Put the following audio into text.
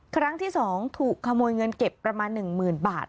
ครั้งที่สองถูกขโมยเงินเก็บประมาณหนึ่งหมื่นบาท